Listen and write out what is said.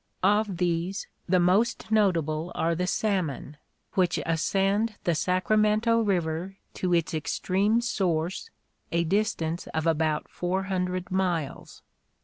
Of these the most notable are the salmon, which ascend the Sacramento River to its extreme source, a distance of about 400 miles.